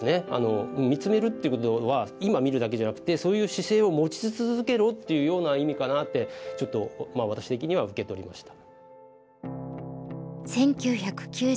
見つめるっていうことは今見るだけじゃなくてそういう姿勢を持ち続けろっていうような意味かなってちょっと私的には受け取りました。